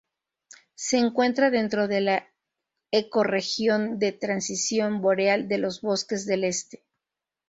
Se encuentra dentro de la ecorregión de transición boreal de los bosques del este.